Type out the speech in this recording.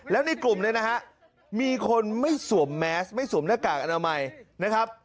แล้วในกลุ่มเนี่ยนะฮะมีคนไม่สวมแมสไม่สวมหน้ากากอนามัยนะครับ